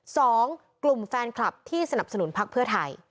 สองกลุ่มแฟนคลับที่สนับสนุนพักเพื่อไทย